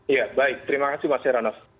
ya baik terima kasih mas heranov